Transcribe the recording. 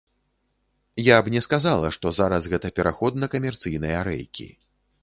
Я б не сказала, што зараз гэта пераход на камерцыйныя рэйкі.